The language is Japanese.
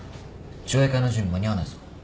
上映会の準備間に合わないぞ。